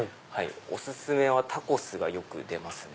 お薦めはタコスがよく出ますね。